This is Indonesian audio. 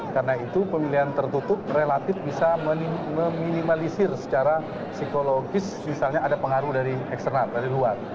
karena itu pemilihan tertutup relatif bisa meminimalisir secara psikologis misalnya ada pengaruh dari eksternal dari luar